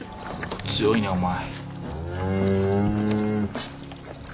強いねお前。